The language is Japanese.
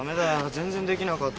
全然できなかったよ。